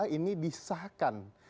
kalau ini disahkan